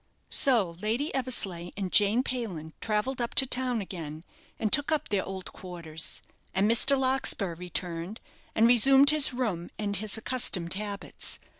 So Lady Eversleigh and Jane Payland travelled up to town again, and took up their old quarters. And Mr. Larkspur returned, and resumed his room and his accustomed habits.